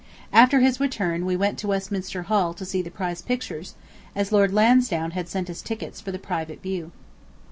After his return we went to Westminster Hall to see the prize pictures, as Lord Lansdowne had sent us tickets for the private view.